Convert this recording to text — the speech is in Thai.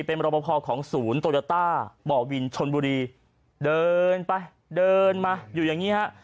เป็นรอปภของศูนย์โตโยต้าบ่อวินชนบุรีเดินไปเดินมาอยู่อย่างงี้ฮะ